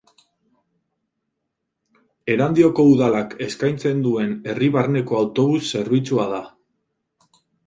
Erandioko udalak eskaintzen duen herri barneko autobus zerbitzua da.